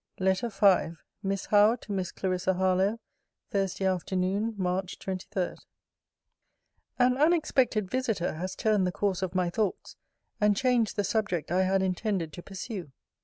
LETTER V MISS HOWE, TO MISS CLARISSA HARLOWE THURSDAY AFTERNOON, MARCH 23. An unexpected visitor has turned the course of my thoughts, and changed the subject I had intended to pursue.